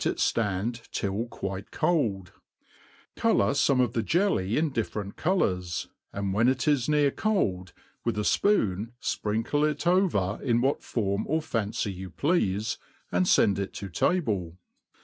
it Hand til] quite cold ; colour fome of the jelly in different colours, and when it is near cold, with a fpoon fprinkle it over in what form or fapcy vou ple^fe, and fend it to table.